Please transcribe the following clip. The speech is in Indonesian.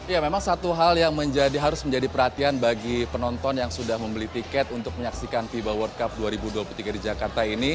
ya memang satu hal yang harus menjadi perhatian bagi penonton yang sudah membeli tiket untuk menyaksikan fiba world cup dua ribu dua puluh tiga di jakarta ini